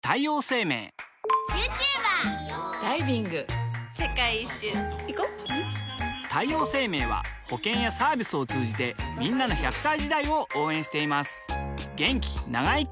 女性 ２） 世界一周いこ太陽生命は保険やサービスを通じてんなの１００歳時代を応援しています